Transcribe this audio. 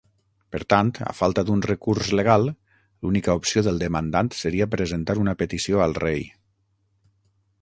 Per tant, a falta d'un recurs legal, l'única opció del demandant seria presentar una petició al rei.